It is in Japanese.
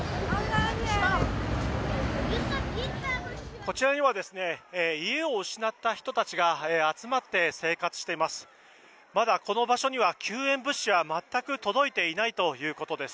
こちらには家を失った人たちが集まって生活しています。